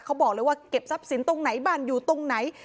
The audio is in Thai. เขาบอกเลยว่าเก็บทรัพย์สินตรงไหนบ้านอยู่ตรงไหน